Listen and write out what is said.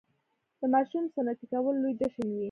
د ماشوم سنتي کول لوی جشن وي.